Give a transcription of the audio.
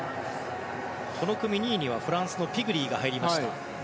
この組、２位にはフランスピグリーが入りました。